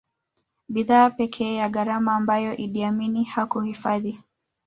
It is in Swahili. Bidhaa pekee ya gharama ambayo Idi Amin hakuhifadhi